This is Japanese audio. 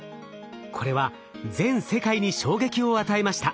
これは全世界に衝撃を与えました。